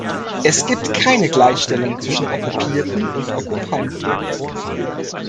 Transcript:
Es gibt keine Gleichstellung zwischen Okkupierten und Okkupanten.